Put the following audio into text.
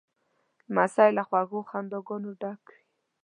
لمسی له خوږو خنداګانو ډک وي.